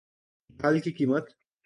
ڈھال کی قیمت